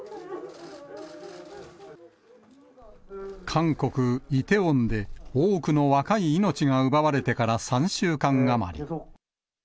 韓国・イテウォンで、多くの若い命が奪われてから３週間余り。